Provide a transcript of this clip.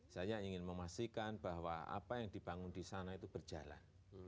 saya ingin memastikan bahwa apa yang dibangun di sana itu berjalan